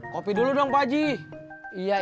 kopi dulu dong pak haji